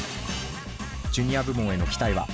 ジュニア部門への期待は？